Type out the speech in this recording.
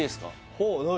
ほう何？